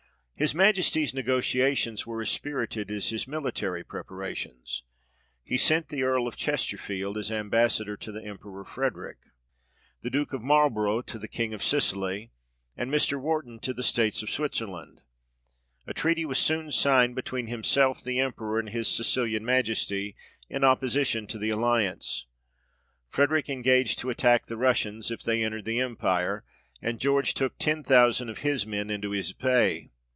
His Majesty's negotiations were as spirited as his military preparations : he sent the Earl of Chesterfield as Ambassador to the Emperor Frederick ; the Duke of Marlborough to the King of Sicily ; and Mr. Wharton to the states of Switzerland. A treaty was soon signed between himself, the Emperor, and his Sicilian Majesty, in opposition to the alliance. Frederick engaged to attack the Russians, if they entered the Empire, and George took ten thousand of his men into his pay.